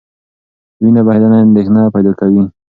وینه بهېدنه اندېښنه پیدا کوي.